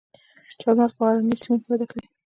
چهارمغز په غرنیو سیمو کې وده کوي